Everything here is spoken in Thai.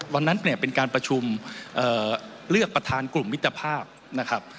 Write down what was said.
วันนั้นเนี่ยเป็นการประชุมเลือกประธานกลุ่มมิตรภาพนะครับ